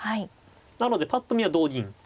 なのでぱっと見は同銀。